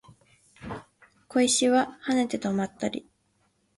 小石は跳ねて止まったり